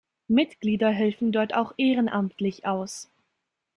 Mitglieder helfen dort auch ehrenamtlich aus.